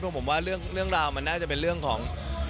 ผมว่าเรื่องราวมันน่าจะเป็นเรื่องของ